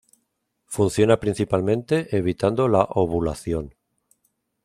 Funciona principalmente evitando la ovulación.